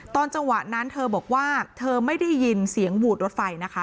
จังหวะนั้นเธอบอกว่าเธอไม่ได้ยินเสียงหวูดรถไฟนะคะ